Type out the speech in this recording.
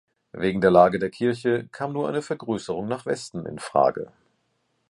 Wegen der Lage der Kirche kam nur eine Vergrößerung nach Westen in Frage.